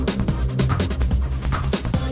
ยามเขาใจเขาว่าเป็นยาม